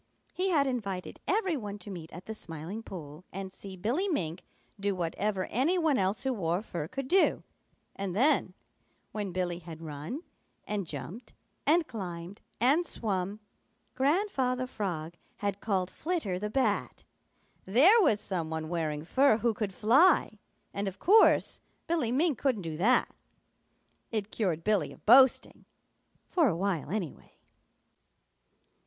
He had invited every one to meet at the Smiling Pool and see Billy Mink do whatever any one else who wore fur could do, and then, when Billy had run and jumped and climbed and swum, Grandfather Frog had called Flitter the Bat. There was some one wearing fur who could fly, and of course Billy Mink couldn't do that. It cured Billy of boasting, for a while, anyway.